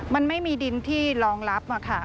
มันไม่มีดินที่รองรับค่ะ